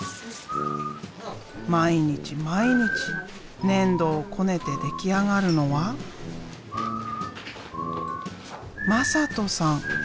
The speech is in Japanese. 毎日毎日粘土をこねて出来上がるのは「まさとさん」。